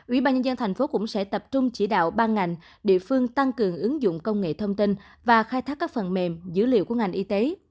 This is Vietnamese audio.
ủy ban nhân dân thành phố cũng sẽ tập trung chỉ đạo ba ngành địa phương tăng cường ứng dụng công nghệ thông tin và khai thác các phần mềm dữ liệu của ngành y tế